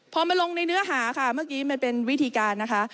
พอมาลงในเนื้อหาค่ะเมื่อกี้มันเป็นวิธีการนะคะ